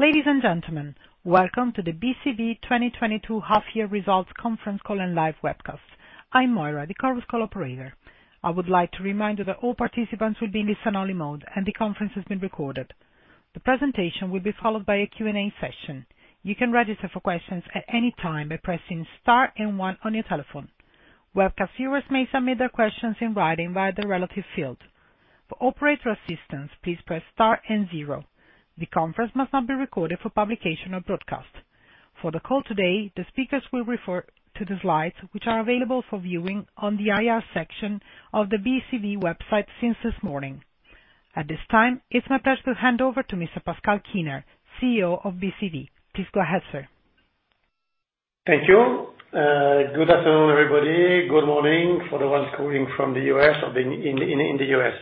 Ladies and gentlemen, welcome to the BCV 2022 Half-Year Results Conference Call and Live Webcast. I'm Moira, the conference call operator. I would like to remind you that all participants will be in listen only mode, and the conference is being recorded. The presentation will be followed by a Q&A session. You can register for questions at any time by pressing star and one on your telephone. Webcast viewers may submit their questions in writing via the relevant field. For operator assistance, please press star and zero. The conference must not be recorded for publication or broadcast. For the call today, the speakers will refer to the slides, which are available for viewing on the IR section of the BCV website since this morning. At this time, it's my pleasure to hand over to Mr. Pascal Kiener, CEO of BCV. Please go ahead, sir. Thank you. Good afternoon, everybody. Good morning for the ones calling from the U.S., or in the U.S.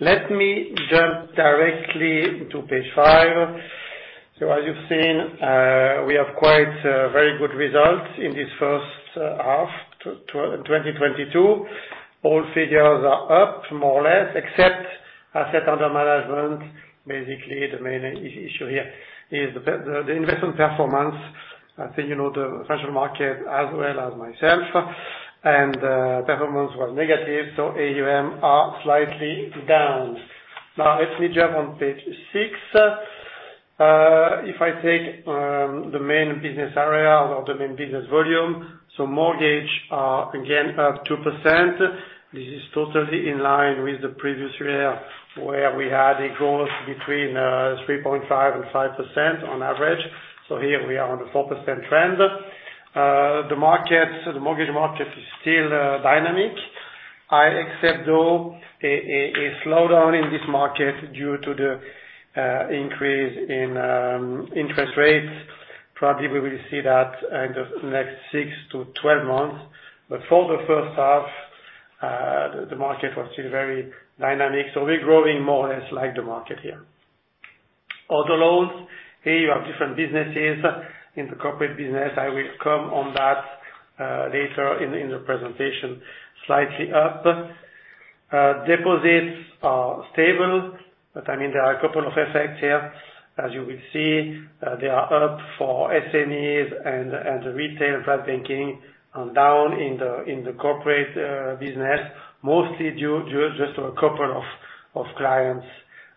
Let me jump directly to page five. As you've seen, we have quite very good results in this first half of 2022. All figures are up more or less, except assets under management. Basically, the main issue here is the investment performance. I think you know the financial market as well as myself, and performance was negative, so AUM are slightly down. Now let me jump on page six. If I take the main business area or the main business volume, so mortgages are again up 2%. This is totally in line with the previous year, where we had a growth between 3.5% and 5% on average, so here we are on the 4% trend. The market, the mortgage market is still dynamic. I expect, though, a slowdown in this market due to the increase in interest rates. Probably we will see that in the next six-12 months. For the first half, the market was still very dynamic, so we're growing more or less like the market here. Other loans, here you have different businesses in the corporate business. I will comment on that later in the presentation. Slightly up. Deposits are stable, but I mean, there are a couple of effects here. As you will see, they are up for SMEs and retail and private banking, and down in the corporate business, mostly due just to a couple of clients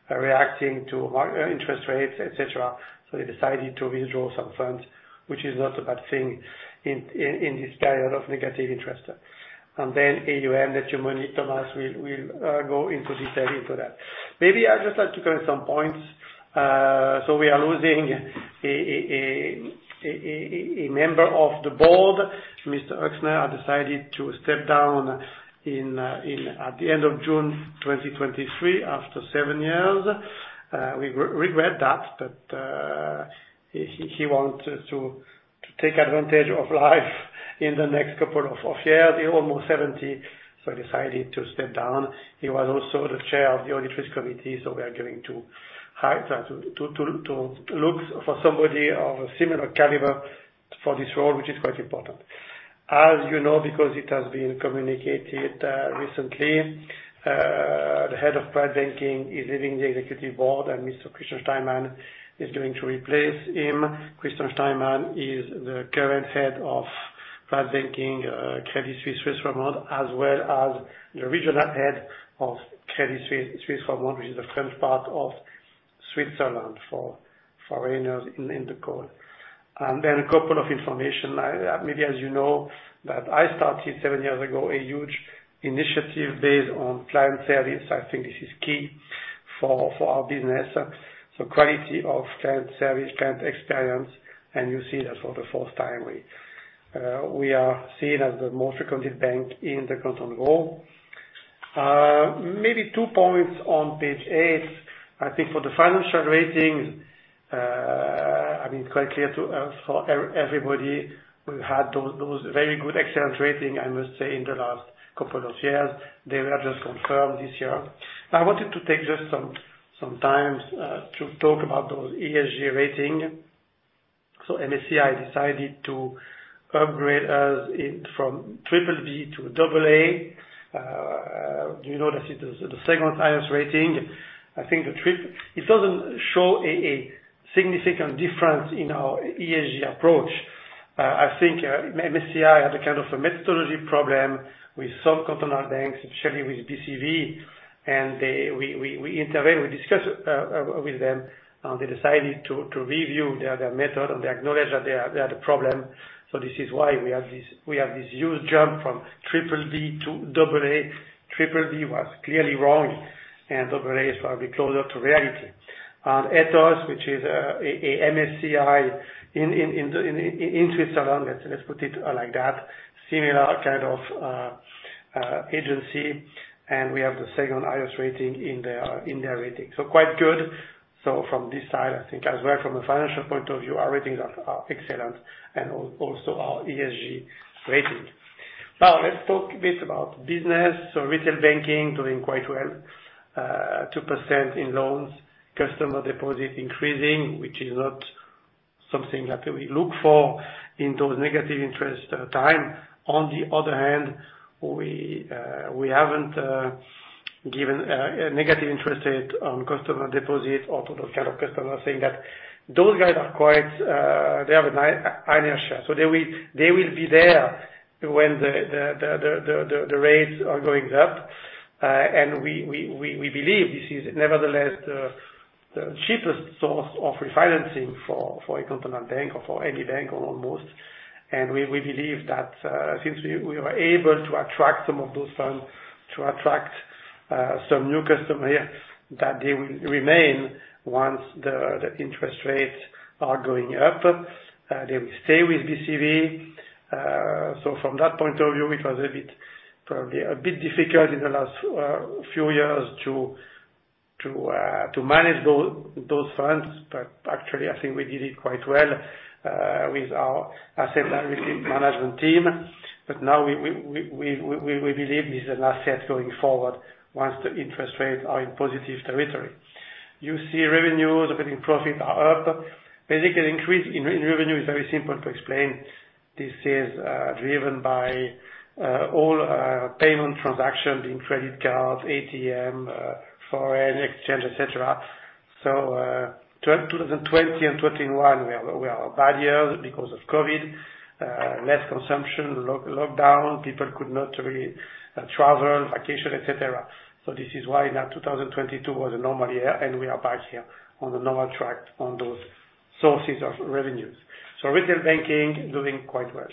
reacting to market interest rates, et cetera. They decided to withdraw some funds, which is not a bad thing in this period of negative interest. AUM Thomas will go into detail into that. Maybe I'd just like to cover some points. We are losing a member of the board, Mr. Ochsner has decided to step down at the end of June 2023 after seven years. We regret that, but he wants to take advantage of life in the next couple of years. He's almost seventy, so he decided to step down. He was also the chair of the Audit Committee, so we are going to have to look for somebody of a similar caliber for this role, which is quite important. As you know, because it has been communicated recently, the head of Private Banking is leaving the executive board, and Mr. Christian Steinmann is going to replace him. Christian Steinmann is the current head of Private Banking, Credit Suisse (Schweiz) AG, as well as the regional head of Credit Suisse (Schweiz) AG, which is the French part of Switzerland for foreigners in the call. A couple of information. Maybe as you know, that I started seven years ago a huge initiative based on client service. I think this is key for our business. Quality of client service, client experience, and you see that for the first time we are seen as the most frequented bank in the Canton of Vaud. Maybe two points on page eight. I think for the financial ratings, I mean, quite clear to, for everybody, we had those very good excellent rating, I must say, in the last couple of years. They were just confirmed this year. I wanted to take just some time to talk about those ESG rating. MSCI decided to upgrade us from BBB to AA. You know, that it is the second-highest rating. I think it doesn't show a significant difference in our ESG approach. I think MSCI had a kind of a methodology problem with some continental banks, especially with BCV, and we intervened. We discussed with them, and they decided to review their method, and they acknowledged that they had a problem. This is why we have this huge jump from DDD to AA. Triple D was clearly wrong, and double A is probably closer to reality. Ethos, which is a MSCI in Switzerland, let's put it like that, similar kind of agency, and we have the second-highest rating in their rating. Quite good. From this side, I think as well from a financial point of view, our ratings are excellent and also our ESG ratings. Now let's talk a bit about business. Retail banking doing quite well, 2% in loans. Customer deposits increasing, which is not something that we look for in those negative interest time. On the other hand, we haven't given negative interest rate on customer deposits or to those kind of customers, saying that those guys are quite they have an inertia. They will be there when the rates are going up. We believe this is nevertheless the cheapest source of refinancing for a continental bank or for any bank almost. We believe that since we were able to attract some of those funds to attract some new customer here, that they will remain once the interest rates are going up. They will stay with BCV. From that point of view, it was a bit, probably a bit difficult in the last few years to manage those funds. Actually I think we did it quite well with our asset liability management team. Now we believe this is an asset going forward once the interest rates are in positive territory. You see revenues, operating profit are up. Basically increase in revenue is very simple to explain. This is driven by all payment transactions in credit cards, ATM, foreign exchange, et cetera. 2020 and 2021 were bad years because of COVID, less consumption, lockdown. People could not really travel, vacation, et cetera. This is why now 2022 was a normal year and we are back here on the normal track on those sources of revenues. Retail banking doing quite well.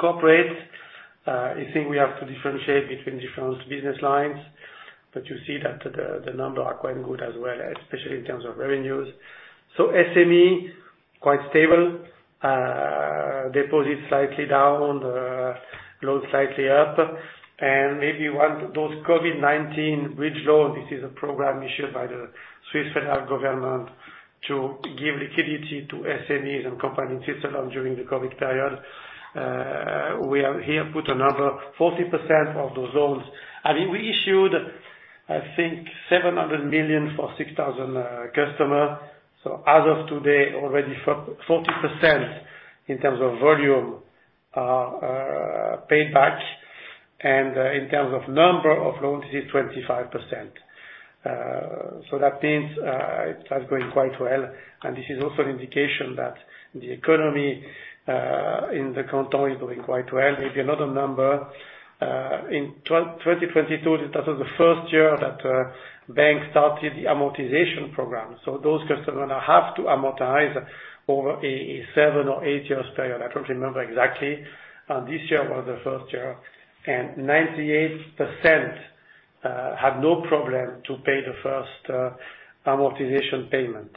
Corporate, I think we have to differentiate between different business lines, but you see that the numbers are quite good as well, especially in terms of revenues. SME, quite stable. Deposits slightly down, loans slightly up. Those COVID-19 bridge loans, this is a program issued by the Swiss federal government to give liquidity to SMEs and companies in Switzerland during the COVID period. We have here put a number. 40% of those loans. I mean, we issued I think 700 million for 6,000 customers. As of today, already 40% in terms of volume are paid back. In terms of number of loans, it is 25%. That means it has grown quite well. This is also an indication that the economy in the canton is doing quite well. Maybe another number in 2022, this was the first year that bank started the amortization program. Those customers now have to amortize over a seven or eight years period. I don't remember exactly. This year was the first year, and 98% had no problem to pay the first amortization payment.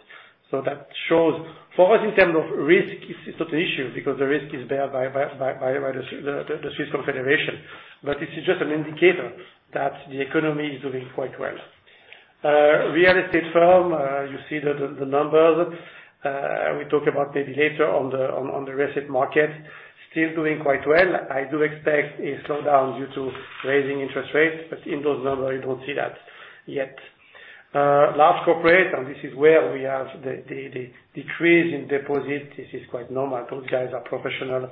That shows for us, in terms of risk, it's not an issue because the risk is borne by the Swiss Confederation. This is just an indicator that the economy is doing quite well. Real estate firm, you see the numbers, we talk about maybe later on the real estate market. Still doing quite well. I do expect a slowdown due to raising interest rates, but in those numbers you don't see that yet. Large corporate, and this is where we have the decrease in deposits. This is quite normal. Those guys are professional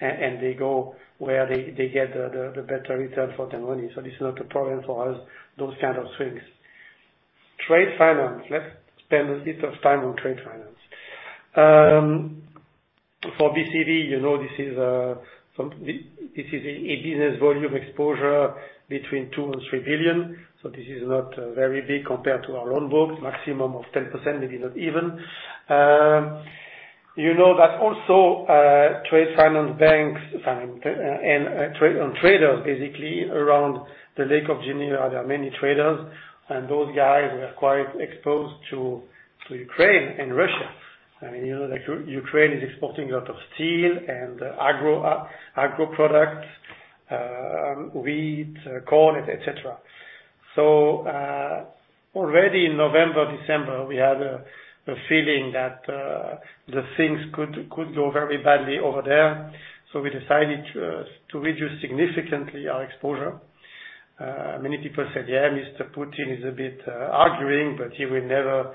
and they go where they get the better return for their money. This is not a problem for us, those kind of things. Trade finance. Let's spend a bit of time on trade finance. For BCV, this is a business volume exposure between 2 billion and 3 billion. This is not very big compared to our loan book. Maximum of 10%, maybe not even. Trade finance banks and trade and traders basically around the Lake of Geneva, there are many traders. Those guys were quite exposed to Ukraine and Russia. I mean, you know that Ukraine is exporting a lot of steel and agro products, wheat, corn, et cetera. Already in November, December, we had a feeling that the things could go very badly over there. We decided to reduce significantly our exposure. Many people said, "Yeah, Mr. Putin is a bit arguing, but he will never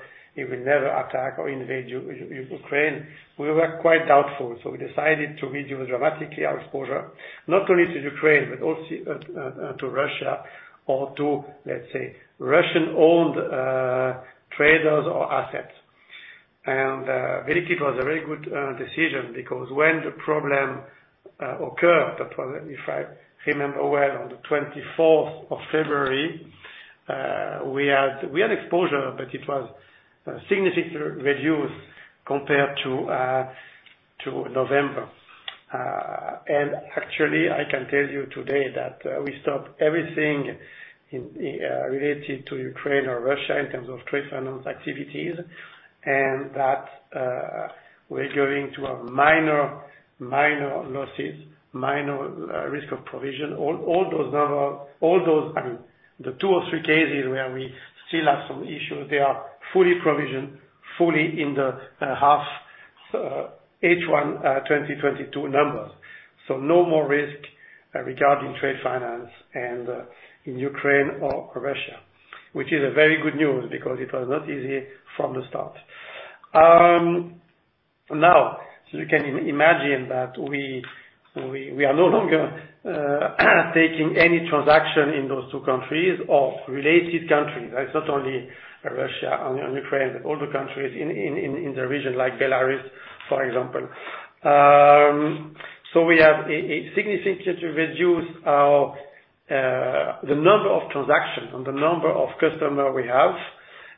attack or invade Ukraine." We were quite doubtful, so we decided to reduce dramatically our exposure, not only to Ukraine, but also to Russia or to, let's say, Russian-owned traders or assets. Really it was a very good decision because when the problem occurred, if I remember well, on the twenty-fourth of February, we had exposure, but it was significantly reduced compared to November. Actually, I can tell you today that we stopped everything related to Ukraine or Russia in terms of trade finance activities. That we're going to have minor losses, minor risk of provision. All those numbers, I mean the two or three cases where we still have some issues, they are fully provisioned, fully in the H1 2022 numbers. No more risk regarding trade finance in Ukraine or Russia. Which is a very good news because it was not easy from the start. Now you can imagine that we are no longer taking any transactions in those two countries or related countries. That's not only Russia and Ukraine, all the countries in the region, like Belarus, for example. We have significantly reduced the number of transactions and the number of customers we have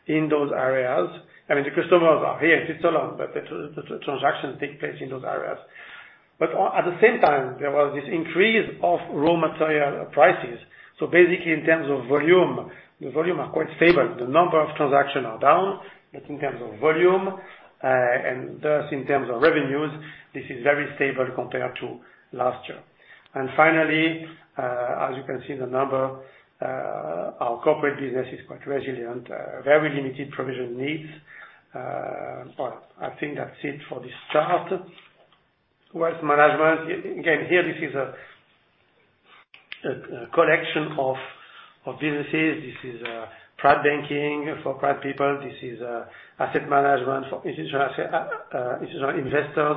in those areas. I mean, the customers are here in Lausanne, but the transactions take place in those areas. At the same time, there was this increase of raw material prices. Basically in terms of volume, the volume are quite stable. The number of transactions are down, but in terms of volume and thus in terms of revenues, this is very stable compared to last year. Finally, as you can see the number, our corporate business is quite resilient. Very limited provision needs. I think that's it for this chart. Wealth management. Again, here this is a collection of businesses. This is private banking for private people. This is asset management for institutional investors,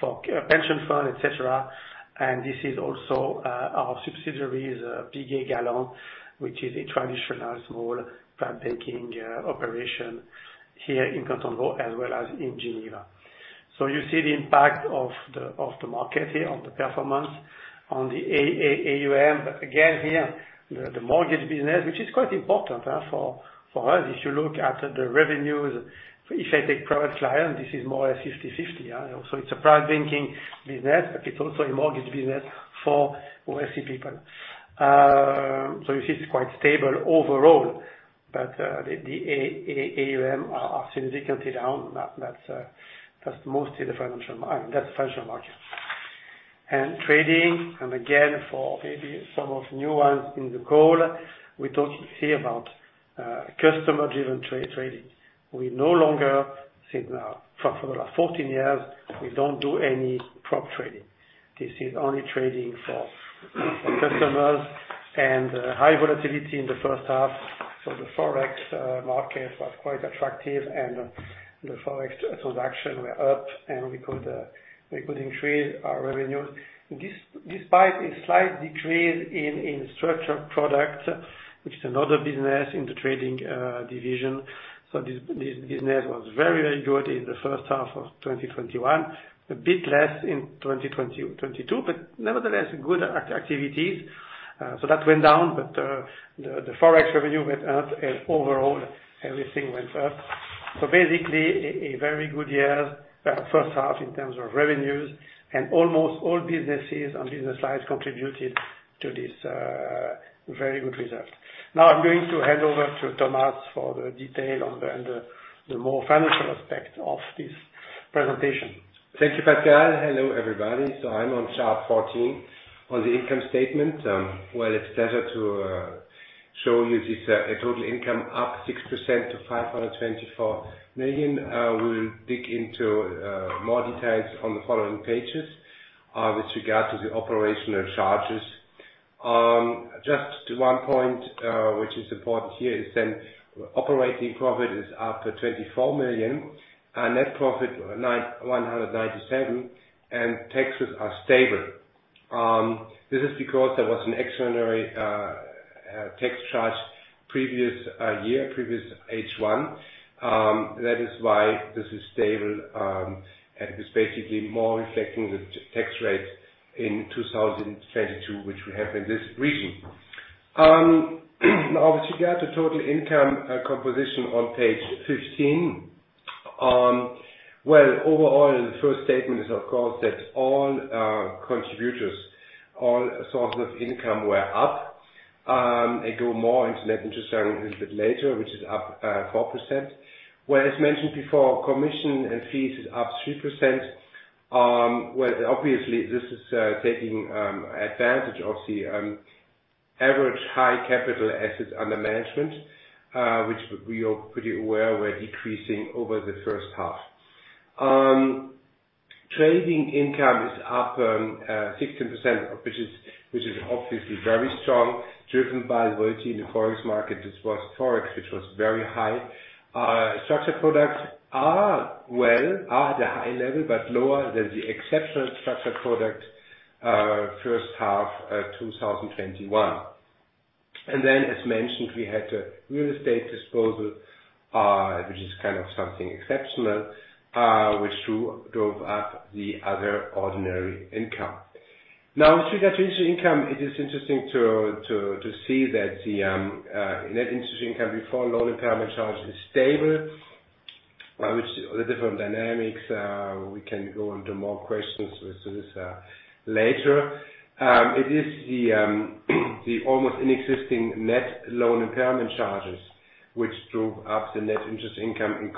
for pension fund, et cetera. This is also our subsidiaries, Piguet Galland, which is a traditional small private banking operation here in Canton of Vaud, as well as in Geneva. You see the impact of the market here, on the performance, on the AUM. Again, here, the mortgage business, which is quite important for us, if you look at the revenues. If I take private clients, this is more a 50/50. It's a private banking business, but it's also a mortgage business for wealthy people. You see it's quite stable overall, but the AUM are significantly down. That's mostly the financial markets. Trading, and again, for maybe some of the new ones in the call, we talk here about customer-driven trading. We no longer, since now for the last 14 years, we don't do any prop trading. This is only trading for customers and high volatility in the first half. The Forex market was quite attractive and the Forex transactions were up and we could increase our revenues. Despite a slight decrease in structured products, which is another business in the trading division. This business was very, very good in the first half of 2021. A bit less in 2022, but nevertheless, good activities. That went down, but the Forex revenue went up and overall everything went up. Basically a very good year, first half in terms of revenues and almost all businesses on business lines contributed to this very good result. Now I'm going to hand over to Thomas for the detail on the more financial aspect of this presentation. Thank you, Pascal. Hello, everybody. I'm on chart 14 on the income statement. It's a pleasure to show you this, a total income up 6% to 524 million. We'll dig into more details on the following pages with regard to the operational charges. Just one point which is important here is operating profit is up to 24 million. Our net profit 197 million, and taxes are stable. This is because there was an extraordinary tax charge previous year, previous H1. That is why this is stable, and it is basically more reflecting the tax rate in 2022, which we have in this region. Now with regard to total income composition on page 15. Well, overall, the first statement is of course that all contributors, all sources of income were up. I go more into net interest a little bit later, which is up 4%. Well, as mentioned before, commission and fees is up 3%. Well, obviously, this is taking advantage of the higher average assets under management, which we are well aware were decreasing over the first half. Trading income is up 16%, which is obviously very strong, driven by the volatility in the Forex market. This was Forex, which was very high. Structured products are at a high level, but lower than the exceptional structured product first half of 2021. As mentioned, we had a real estate disposal, which is kind of something exceptional, which drove up the other ordinary income. Now, with regard to interest income, it is interesting to see that the net interest income before loan impairment charge is stable. Which the different dynamics, we can go into more questions with this, later. It is the almost inexistent net loan impairment charges which drove up the net interest income in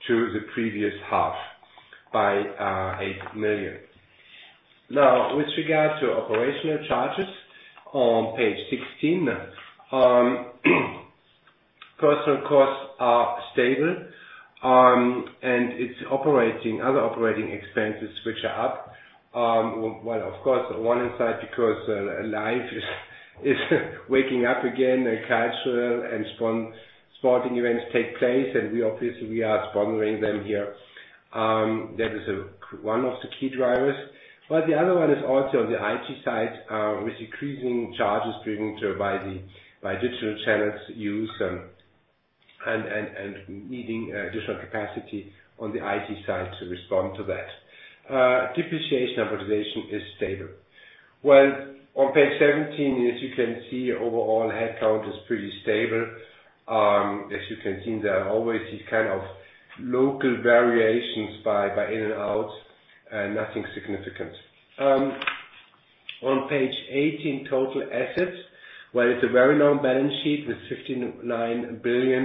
comparison to the previous half by 8 million. Now, with regard to operational charges on page 16, personnel costs are stable, and it's other operating expenses which are up, well, of course, one aspect because life is waking up again, and cultural and sporting events take place, and we obviously are sponsoring them here. That is one of the key drivers. The other one is also on the IT side, with increasing charges driven by digital channels use and needing digital capacity on the IT side to respond to that. Depreciation amortization is stable. Well, on page 17, as you can see, overall headcount is pretty stable. As you can see, there are always these kind of local variations by in and out, nothing significant. On page 18, total assets, while it's a very long balance sheet with 15.9 billion,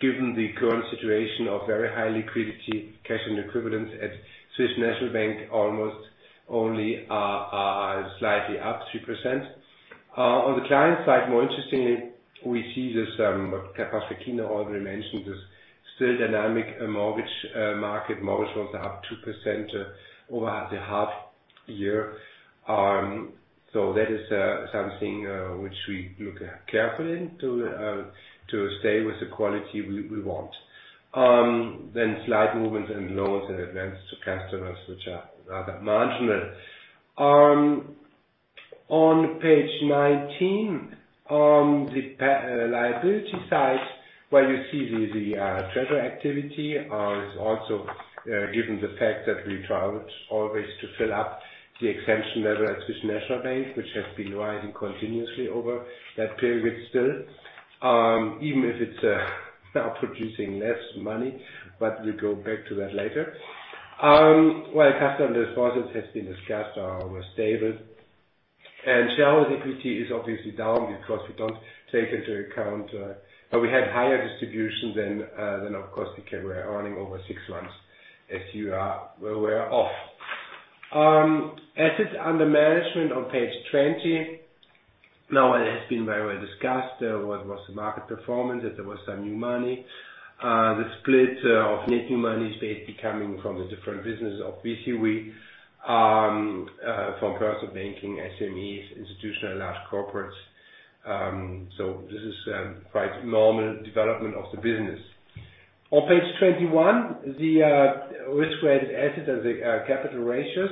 given the current situation of very high liquidity, cash and equivalents at Swiss National Bank almost all are slightly up 3%. On the client side, more interestingly, we see this, Pascal Kiener already mentioned this, still dynamic, mortgage market. Mortgages are up 2% over the half year. That is something which we look at carefully to stay with the quality we want. Slight movements in loans and advances to customers, which are rather marginal. On page 19, on the liability side, where you see the treasury activity is also, given the fact that we try always to fill up the exemption threshold at Swiss National Bank, which has been rising continuously over that period still, even if it's now producing less money, but we'll go back to that later. Well, customer deposits, have been discussed, are almost stable. Shareholding equity is obviously down because we don't take into account. We had higher distribution than, of course, we're earning over six months as you are well aware of. Assets under management on page 20. Now, it has been very well discussed, what was the market performance, that there was some new money. The split of net new money is basically coming from the different businesses of BCV, from personal banking, SMEs, institutional large corporates. This is quite normal development of the business. On page 21, the risk-weighted assets and the capital ratios,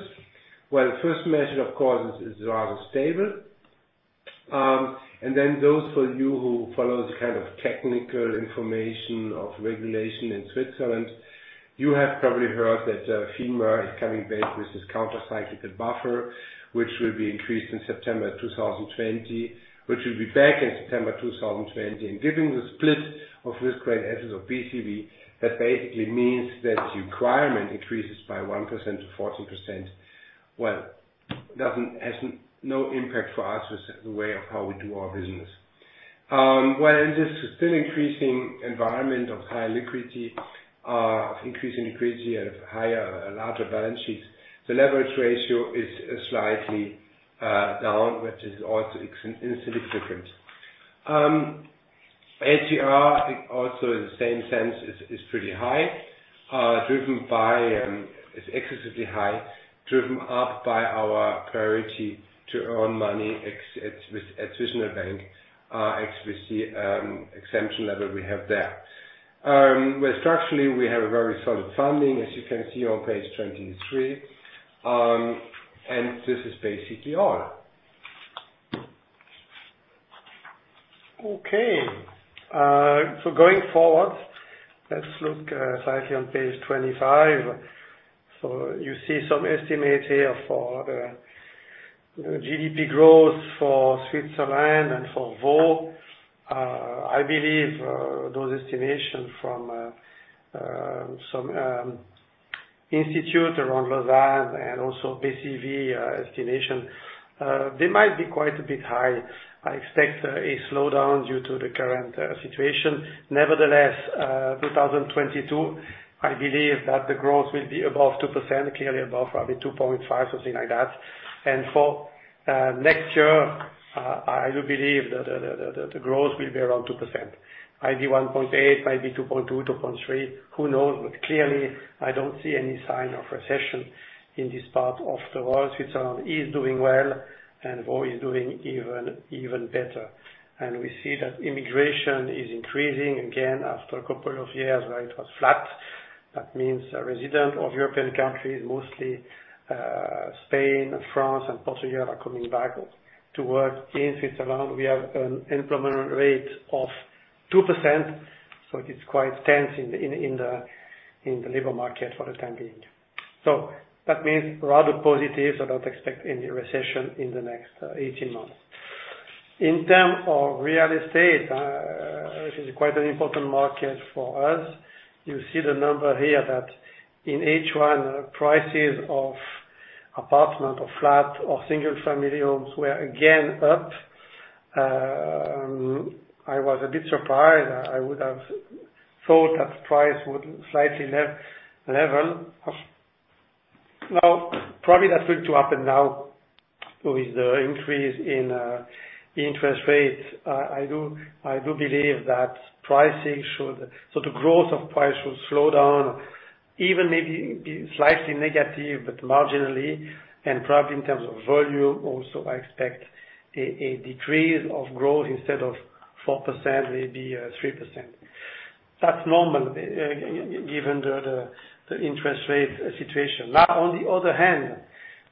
where the first measure, of course, is rather stable. Those for you who follow the kind of technical information of regulation in Switzerland, you have probably heard that, FINMA is coming back with this counter-cyclical buffer, which will be increased in September 2020, which will be back in September 2020. Given the split of risk-weighted assets of BCV, that basically means that the requirement increases by 1% to 14%. Well, no impact for us with the way of how we do our business. Well, this is still increasing environment of high liquidity, increasing liquidity of larger balance sheets. The leverage ratio is slightly down, which is also insignificant. LCR, also in the same sense, is pretty high. It's excessively high, driven up by our priority to earn money ex with additional bank. Actually, see exemption threshold we have there. Well, structurally, we have a very solid funding, as you can see on page 23, and this is basically all. Okay. Going forward, let's look slightly on page 25. You see some estimates here for the GDP growth for Switzerland and for Vaud. I believe those estimations from some institute around Lausanne and also BCV estimation, they might be quite a bit high. I expect a slowdown due to the current situation. Nevertheless, 2022, I believe that the growth will be above 2%, clearly above probably 2.5%, something like that. For next year, I do believe that the growth will be around 2%. Might be 1.8%, might be 2.2%, 2.3%. Who knows? Clearly, I don't see any sign of recession in this part of the world. Switzerland is doing well, and Vaud is doing even better. We see that immigration is increasing again after a couple of years where it was flat. That means residents of European countries, mostly Spain, France and Portugal are coming back to work in Switzerland. We have an employment rate of 2%, so it is quite tense in the labor market for the time being. That means rather positive, I don't expect any recession in the next 18 months. In terms of real estate, which is quite an important market for us, you see the number here that in 2021 prices of apartments or flats or single-family homes were again up. I was a bit surprised. I would have thought that prices would slightly level off now. Probably that will too happen now with the increase in the interest rates. I do believe that pricing should. The growth of price should slow down even maybe be slightly negative, but marginally and probably in terms of volume also, I expect a decrease of growth instead of 4%, maybe 3%. That's normal, given the interest rate situation. Now, on the other hand,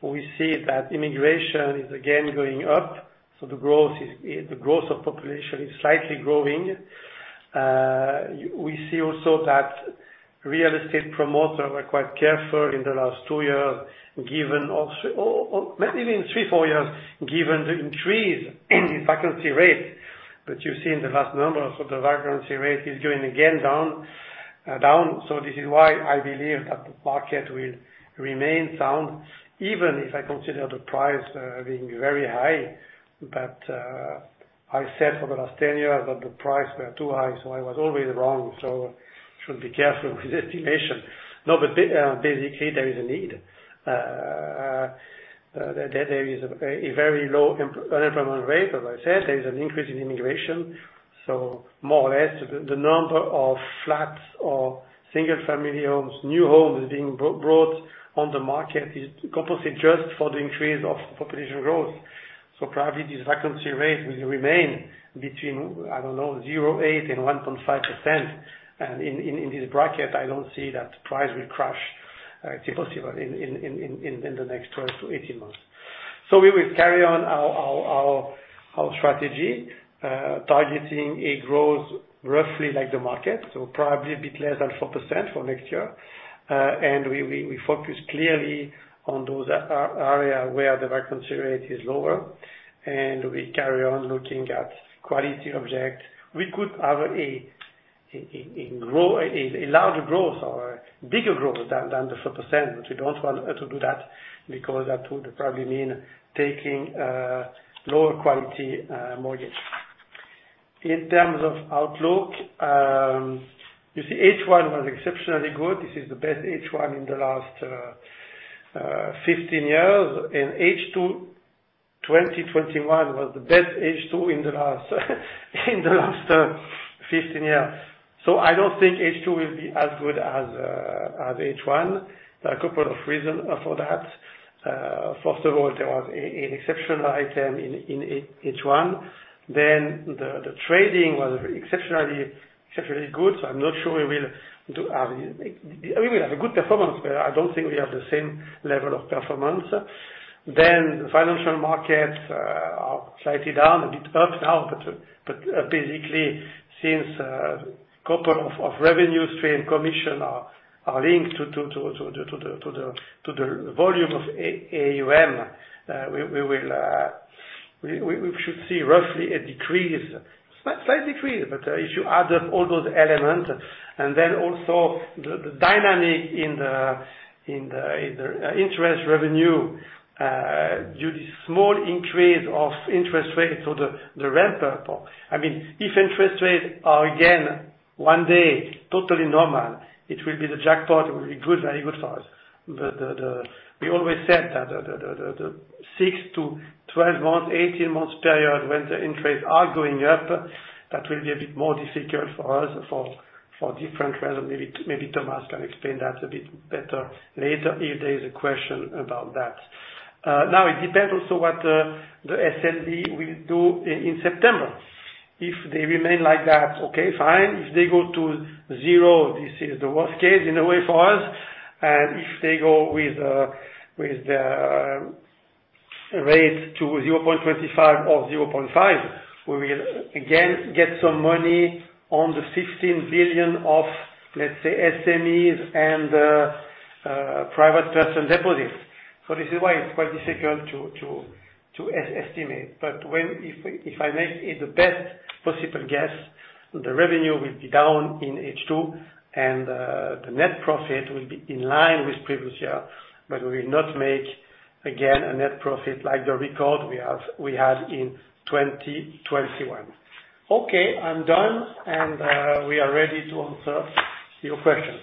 we see that immigration is again going up, so the growth of population is slightly growing. We see also that real estate promoters were quite careful in the last two years, given also or maybe even three, four years, given the increase in vacancy rates that you see in the last numbers. The vacancy rate is going again down. This is why I believe that the market will remain sound, even if I consider the price being very high. I said for the last 10 years that the price were too high, so I was always wrong. Should be careful with estimation. No, but basically, there is a need. There is a very low unemployment rate. As I said, there is an increase in immigration, so more or less the number of flats or single-family homes, new homes being brought on the market is compensated just for the increase of population growth. Probably this vacancy rate will remain between, I don't know, 0.8% and 1.5%. In this bracket, I don't see that price will crash. It's possible in the next 12 to 18 months. We will carry on our strategy targeting a growth roughly like the market, so probably a bit less than 4% for next year. We focus clearly on those areas where the vacancy rate is lower, and we carry on looking at quality object. We could have a larger growth or bigger growth than the 4%, but we don't want to do that because that would probably mean taking lower quality mortgage. In terms of outlook, H1 was exceptionally good. This is the best H1 in the last 15 years. In H2 2021 was the best H2 in the last 15 years. I don't think H2 will be as good as H1. There are a couple of reasons for that. First of all, there was an exceptional item in H1. The trading was exceptionally good, so I'm not sure we'll have a good performance, I mean, but I don't think we have the same level of performance. The financial markets are slightly down, a bit up now, but basically, since a couple of revenue streams commissions are linked to the volume of AUM, we should see roughly a slight decrease. If you add up all those elements, and then also the dynamic in the interest revenue due to small increase of interest rates or the ramp up. I mean, if interest rates are again one day totally normal, it will be the jackpot. It will be good, very good for us. We always said that the six-12 months, 18 months period when the interest are going up, that will be a bit more difficult for us, for different reasons. Maybe Thomas can explain that a bit better later if there is a question about that. Now it depends also what the SNB will do in September. If they remain like that, okay, fine. If they go to zero, this is the worst case in a way for us. If they go with the rate to 0.25% or 0.5%, we will again get some money on the 15 billion of, let's say, SMEs and private person deposits. This is why it's quite difficult to estimate. But if I make it the best possible guess, the revenue will be down in H2, and the net profit will be in line with previous year. But we will not make again a net profit like the record we had in 2021. Okay, I'm done. We are ready to answer your questions.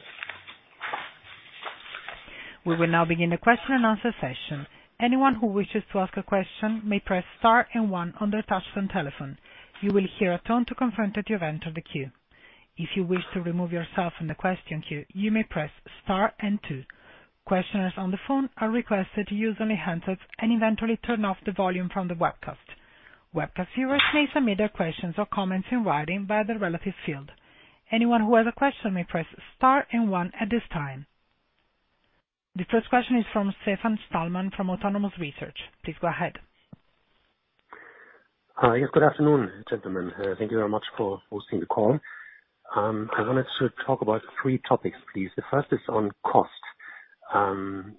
We will now begin the question and answer session. Anyone who wishes to ask a question may press star and one on their touch tone telephone. You will hear a tone to confirm that you have entered the queue. If you wish to remove yourself from the question queue, you may press star and two. Questioners on the phone are requested to use only handsets and eventually turn off the volume from the webcast. Webcast viewers may submit their questions or comments in writing via the relevant field. Anyone who has a question may press star and one at this time. The first question is from Stefan Stalmann from Autonomous Research. Please go ahead. Hi. Yes, good afternoon, gentlemen. Thank you very much for hosting the call. I wanted to talk about three topics, please. The first is on cost.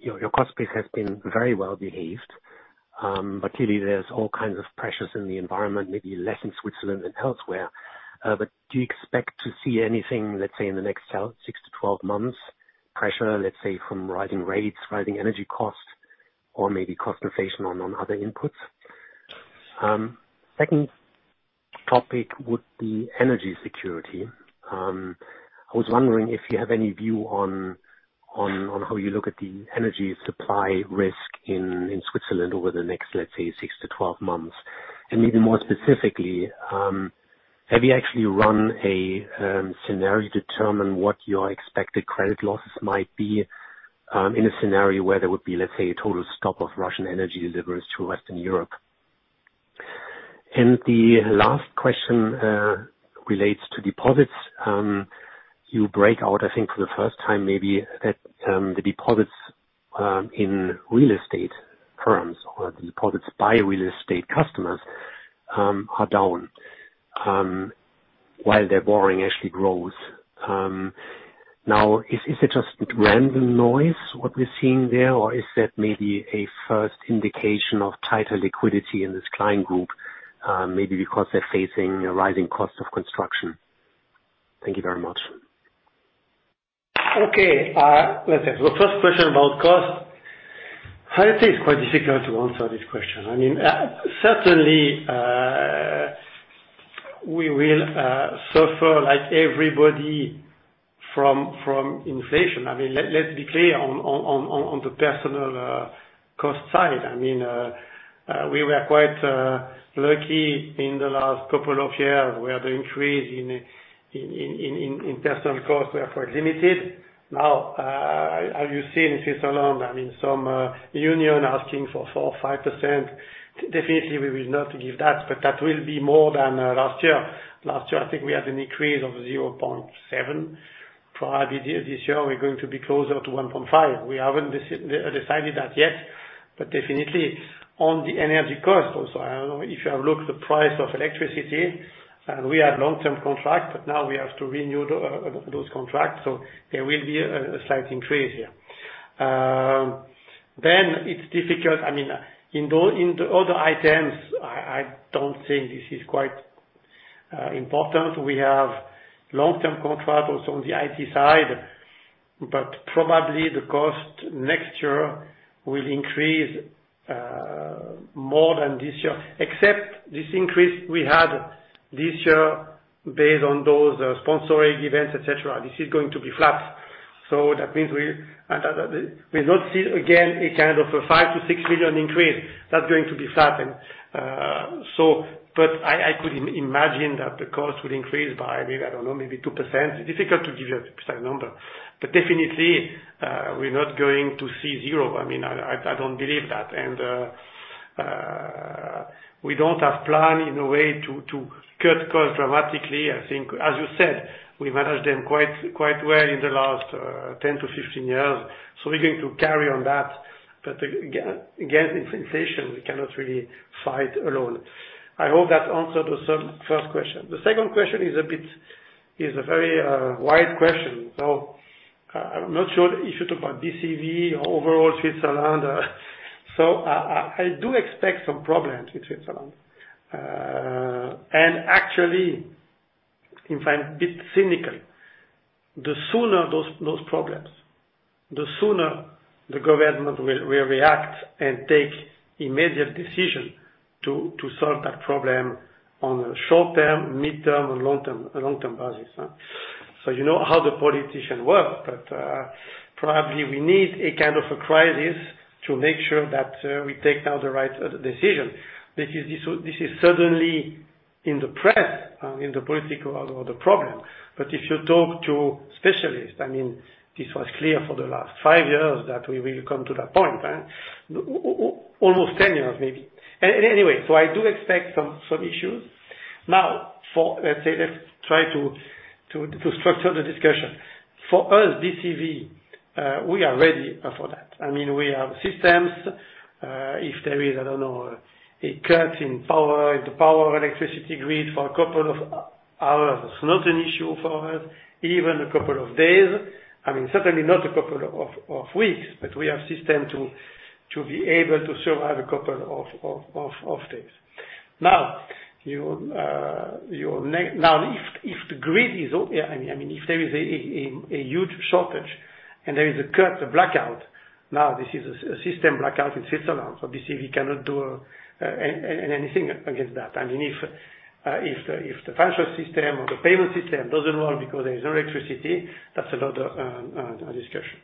Your cost base has been very well behaved, but clearly there's all kinds of pressures in the environment, maybe less in Switzerland than elsewhere. But do you expect to see anything, let's say, in the next six to twelve months, pressure, let's say, from rising rates, rising energy costs, or maybe cost inflation on other inputs? Second topic would be energy security. I was wondering if you have any view on how you look at the energy supply risk in Switzerland over the next, let's say, six-12 months. Even more specifically, have you actually run a scenario to determine what your expected credit losses might be in a scenario where there would be, let's say, a total stop of Russian energy deliveries to Western Europe? The last question relates to deposits. You break out, I think for the first time maybe, that the deposits in real estate firms or the deposits by real estate customers are down while their borrowing actually grows. Now is it just random noise, what we're seeing there? Or is that maybe a first indication of tighter liquidity in this client group? Maybe because they're facing a rising cost of construction. Thank you very much. Okay. Let's see. The first question about cost. I think it's quite difficult to answer this question. I mean, certainly, we will suffer like everybody from inflation. I mean, let's be clear on the personal cost side. I mean, we were quite lucky in the last couple of years, where the increase in personal costs were quite limited. Now, as you see in Switzerland, I mean, some union asking for 4% or 5%, definitely we will not give that, but that will be more than last year. Last year, I think we had an increase of 0.7%. Probably this year we're going to be closer to 1.5%. We haven't decided that yet, but definitely on the energy cost also. I don't know if you have looked at the price of electricity. We have long-term contract, but now we have to renew those contracts, so there will be a slight increase here. It's difficult. I mean, in the other items, I don't think this is quite important. We have long-term contract also on the IT side. Probably the cost next year will increase more than this year, except this increase we had this year based on those sponsoring events, et cetera. This is going to be flat. That means we will not see again a kind of a 5 million-6 million increase. That's going to be flat. I could imagine that the cost will increase by maybe, I don't know, maybe 2%. Difficult to give you a precise number. Definitely, we're not going to see zero. I mean, I don't believe that. We don't have plan in a way to cut costs dramatically. I think, as you said, we managed them quite well in the last 10-15 years. We're going to carry on that. Against inflation, we cannot really fight alone. I hope that answered the first question. The second question is a bit. Is a very wide question. I'm not sure if you talk about BCV or overall Switzerland. I do expect some problems with Switzerland. Actually, if I'm a bit cynical, the sooner those problems, the sooner the government will react and take immediate decision to solve that problem on a short-term, mid-term and long-term basis. You know how the politicians work, but probably we need a kind of a crisis to make sure that we take now the right decision. Because this is suddenly in the press and in the politics, the problem. If you talk to specialists, I mean, this was clear for the last five years that we will come to that point, right? Almost 10 years maybe. Anyway, I do expect some issues. Now, let's say, let's try to structure the discussion. For us, BCV, we are ready for that. I mean, we have systems. If there is, I don't know, a cut in power, the power or electricity grid for a couple of hours, it's not an issue for us, even a couple of days. I mean, certainly not a couple of weeks, but we have system to be able to survive a couple of days. Now if the grid is off, I mean if there is a huge shortage and there is a cut, a blackout, now this is a system blackout in Switzerland. So BCV cannot do anything against that. I mean, if the financial system or the payment system doesn't work because there's no electricity, that's another discussion.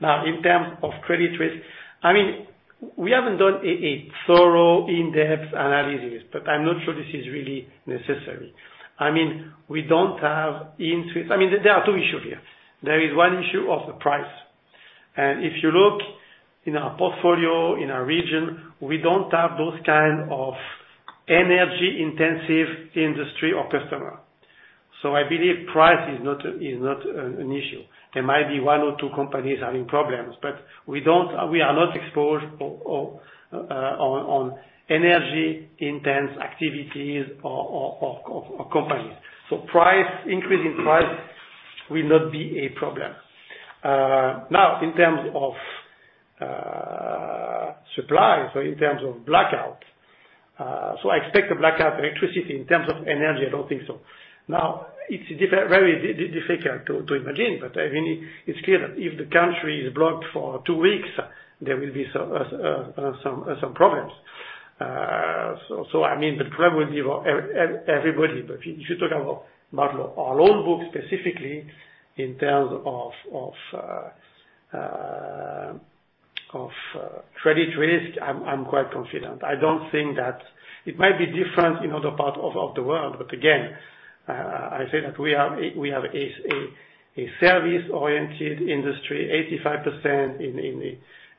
Now, in terms of credit risk, I mean, we haven't done a thorough in-depth analysis, but I'm not sure this is really necessary. I mean, we don't have in Switzerland. I mean, there are two issues here. There is one issue of the price. If you look in our portfolio, in our region, we don't have those kind of energy-intensive industry or customer. I believe price is not an issue. There might be one or two companies having problems, but we are not exposed to energy-intensive activities or companies. Price increase will not be a problem. Now in terms of supply, in terms of blackout. I expect a blackout electricity. In terms of energy, I don't think so. Now, it's very difficult to imagine, but I mean, it's clear that if the country is blocked for two weeks, there will be some problems. I mean, the problem will be about everybody. If you talk about more our loan book specifically in terms of credit risk, I'm quite confident. I don't think that. It might be different in other parts of the world, but again, I say that we have a service-oriented industry, 85%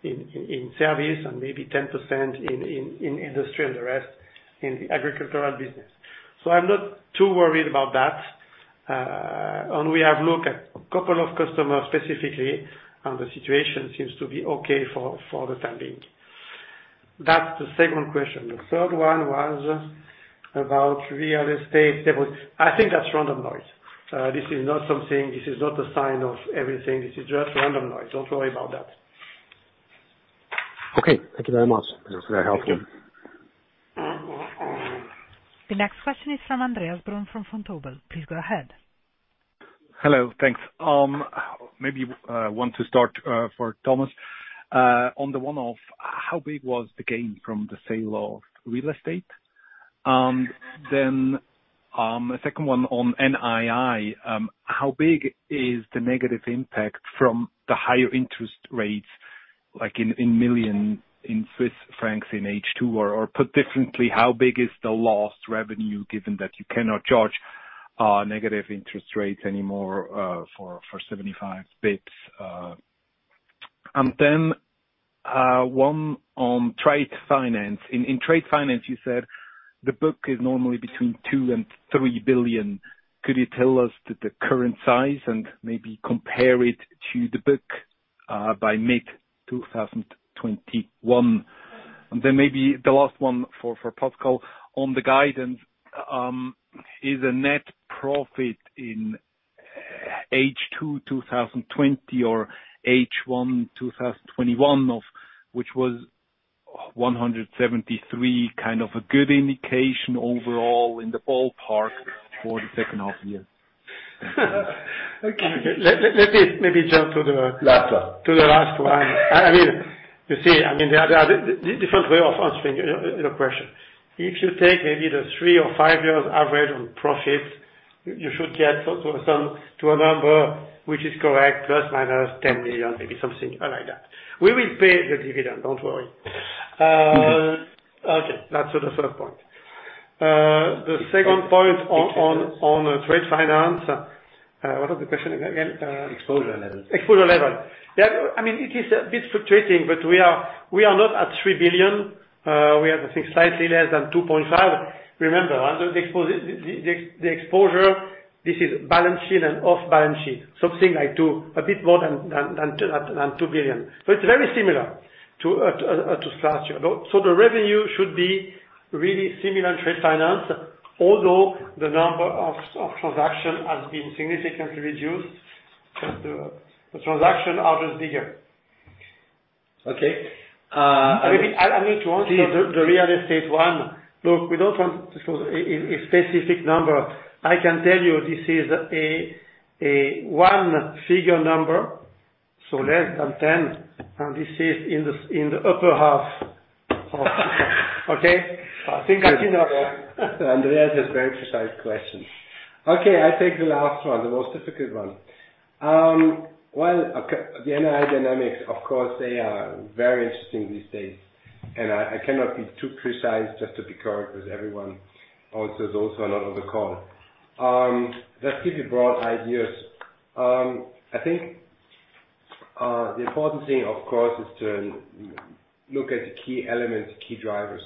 in service and maybe 10% in industry and the rest in the agricultural business. I'm not too worried about that. We have looked at a couple of customers specifically, and the situation seems to be okay for the time being. That's the second question. The third one was about real estate. There was. I think that's random noise. This is not something, this is not a sign of everything. This is just random noise. Don't worry about that. Okay. Thank you very much. Yes, that helped you. The next question is from Andreas Brun from Vontobel. Please go ahead. Hello. Thanks. Maybe want to start for Thomas on the one of how big was the gain from the sale of real estate? A second one on NII. How big is the negative impact from the higher interest rates, like in millions in H2? Or put differently, how big is the lost revenue given that you cannot charge negative interest rates anymore for 75 basis points? One on trade finance. In trade finance, you said the book is normally between 2 billion and 3 billion. Could you tell us the current size and maybe compare it to the book by mid-2021? Maybe the last one for Pascal, on the guidance, is a net profit in H2 2020 or H1 2021 of which was 173 kind of a good indication overall in the ballpark for the second half year. Okay. Let me maybe jump to the last one. I mean, you see, I mean, there are different way of answering your question. If you take maybe the three or five years average on profits, you should get to a sum, to a number which is correct, plus minus 10 million, maybe something like that. We will pay the dividend, don't worry. Okay, that's for the first point. The second point on trade finance. What was the question again? Exposure level. Yeah. I mean, it is a bit fluctuating, but we are not at 3 billion. We are, I think, slightly less than 2.5 billion. Remember, the exposure, this is balance sheet and off balance sheet, something like 2 billion, a bit more than 2 billion. It's very similar to last year. The revenue should be really similar in trade finance, although the number of transactions has been significantly reduced. The transactions are just bigger. Okay. I mean, I need to answer the real estate one. Look, we don't want to show a specific number. I can tell you this is a one figure number, so less than 10, and this is in the upper half of. Okay? I think I cannot. Andreas has very precise questions. Okay, I take the last one, the most difficult one. Well, okay, the NII dynamics, of course, they are very interesting these days, and I cannot be too precise just to be correct, because everyone answers also another call. Let's give you broad ideas. I think the important thing, of course, is to look at the key elements, key drivers.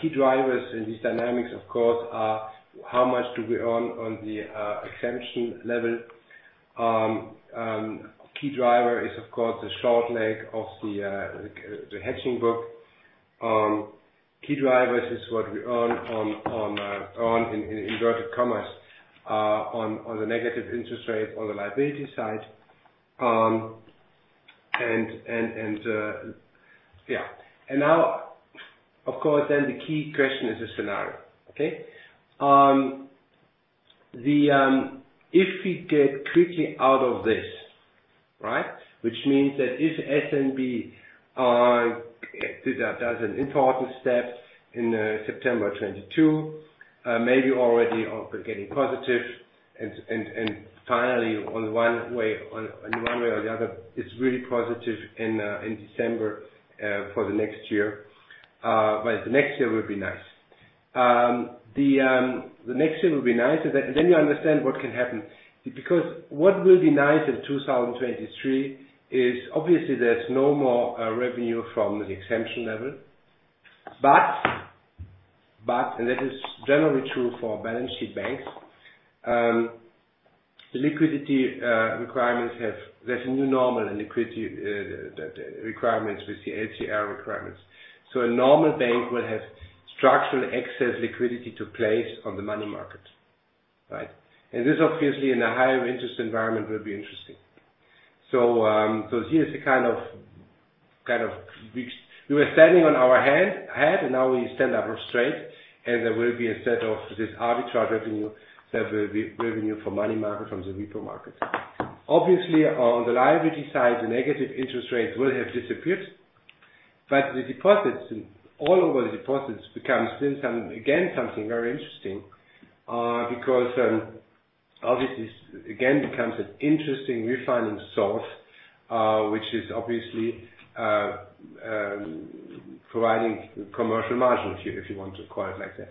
Key drivers in these dynamics, of course, are how much do we earn on the exemption threshold. Key driver is, of course, the short leg of the hedging book. Key drivers is what we earn on, in inverted commas, the negative interest rate on the liability side. Yeah. Now, of course, then the key question is the scenario. Okay? If we get quickly out of this, right? Which means that if SNB do that as an important step in September 2022, maybe already of getting positive and finally on one way or the other, it's really positive in December for the next year. The next year will be nice. The next year will be nice, and then you understand what can happen. Because what will be nice in 2023 is obviously there's no more revenue from the exemption threshold. This is generally true for balance sheet banks. There's a new normal in liquidity requirements with the LCR requirements. A normal bank will have structural excess liquidity to place on the money market, right? This obviously in a higher interest environment will be interesting. Here's the kind of way we were standing on our head, and now we stand up straight, and there will be a set of this arbitrage revenue that will be revenue for money market from the repo market. Obviously on the liability side, the negative interest rates will have disappeared. The deposits, all of the deposits becomes still something very interesting, because obviously again becomes an interesting refinancing source, which is obviously providing commercial margins, if you want to call it like that.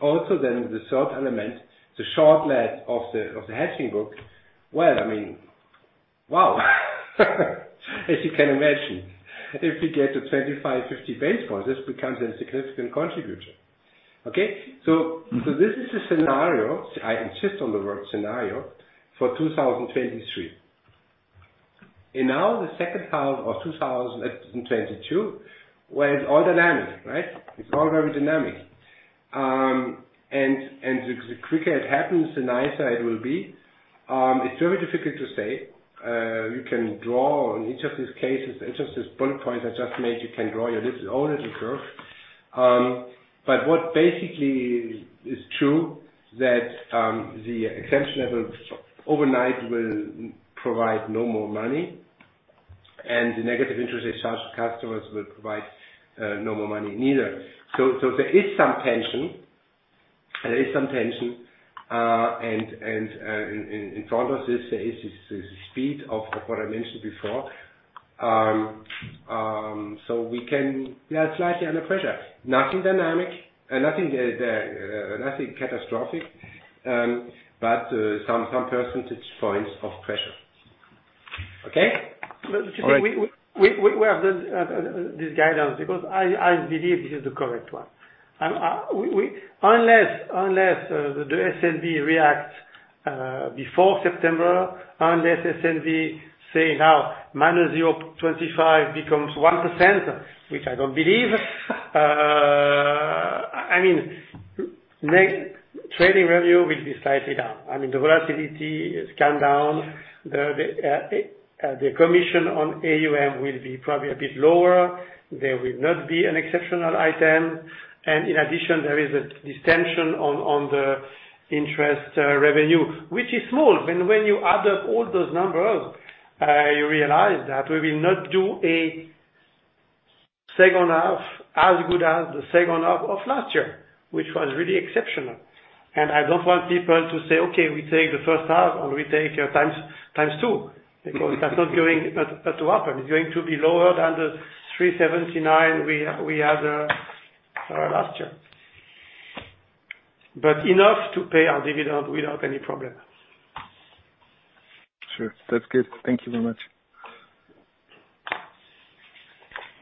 Also then the third element, the short leg of the hedging book. Well, I mean, wow, as you can imagine, if we get to 25-50 basis points, this becomes a significant contributor. Okay. This is a scenario. I insist on the word scenario for 2023. Now the second half of 2022, well, it's all dynamic, right? It's all very dynamic. The quicker it happens, the nicer it will be. It's very difficult to say. You can draw on each of these cases, each of these bullet points I just made, you can draw your own little curve. What basically is true that, the exemption level overnight will provide no more money, and the negative interest they charge customers will provide no more money either. There is some tension. In front of this, there is this speed of what I mentioned before. We are slightly under pressure. Nothing dynamic and nothing catastrophic. Some percentage points of pressure. Okay? All right. We have done this guidance because I believe this is the correct one. Unless the SNB reacts before September, unless SNB say now -0.25% becomes 1%, which I don't believe. I mean, next trading revenue will be slightly down. I mean, the volatility has come down. The commission on AUM will be probably a bit lower. There will not be an exceptional item. In addition, there is this tension on the interest revenue, which is small. When you add up all those numbers, you realize that we will not do a second half as good as the second half of last year, which was really exceptional. I don't want people to say, "Okay, we take the first half, and we take times two." Because that's not going to happen. It's going to be lower than the 379 we had last year. Enough to pay our dividend without any problem. Sure. That's good. Thank you very much.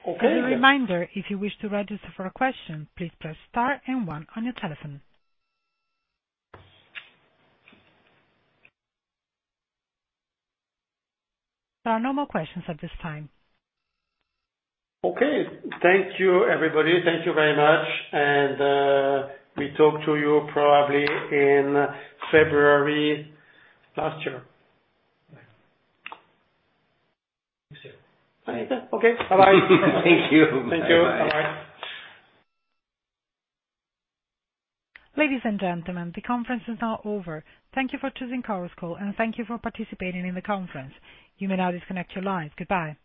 Okay. As a reminder, if you wish to register for a question, please press star and one on your telephone. There are no more questions at this time. Okay. Thank you, everybody. Thank you very much. We talk to you probably in February next year. Thank you, sir. Okay. Bye-bye. Thank you. Bye. Thank you. Bye-bye. Ladies and gentlemen, the conference is now over. Thank you for choosing Chorus Call, and thank you for participating in the conference. You may now disconnect your lines. Goodbye.